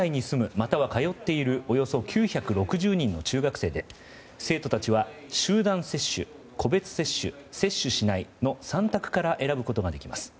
または通っているおよそ９６０人の中学生で生徒たちは、集団接種個別接種、接種しないの３択から選ぶことができます。